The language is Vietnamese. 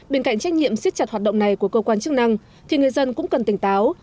bên cạnh trách nhiệm siết chặt hoạt động này của cơ quan chức năng thì người dân cũng cần tỉnh táo